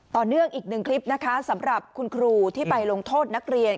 ต่อเนื่องอีกนึงคลิปนะคะสำหรับคุณครูที่ไปลงโทษนักเรียน